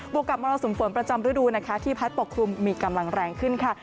วกกับมรสุมฝนประจำฤดูนะคะที่พัดปกคลุมมีกำลังแรงขึ้นค่ะ